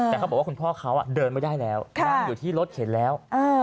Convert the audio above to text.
แต่เขาบอกว่าคุณพ่อเขาเดินไม่ได้แล้วนั่งอยู่ที่รถเข็นแล้ว